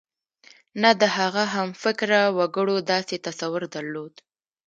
نه د هغه همفکره وګړو داسې تصور درلود.